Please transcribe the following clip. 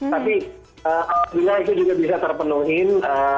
tapi alhamdulillah itu juga bisa terpenuhi